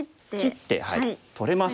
切って取れます。